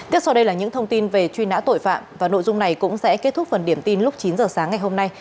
tiếp sau đây là những thông tin về truy nã tội phạm và nội dung này cũng sẽ kết thúc phần điểm tin lúc chín giờ sáng ngày hôm nay